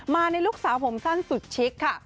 ในลูกสาวผมสั้นสุดชิคค่ะ